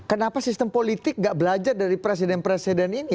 kenapa sistem politik gak belajar dari presiden presiden ini